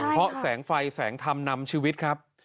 เพราะแสงไฟแสงธรรมนำชีวิตครับ